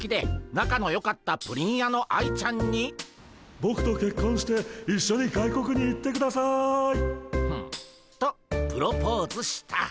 ボクとけっこんして一緒に外国に行ってください！とプロポーズした。